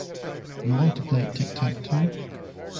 You want to play Tic-Tac-Toe?